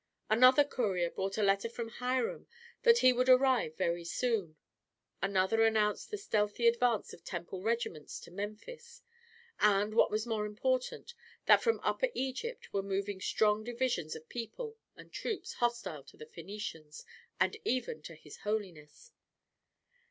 Another courier brought a letter from Hiram that he would arrive very soon. Another announced the stealthy advance of temple regiments to Memphis, and, what was more important, that from Upper Egypt were moving strong divisions of people and troops hostile to the Phœnicians, and even to his holiness.